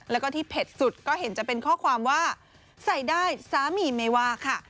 แล้วก็ที่เผ็ดสุดก็เห็นจะเป็นข้อความว่าใส่ได้สามีไม่ว่าค่ะ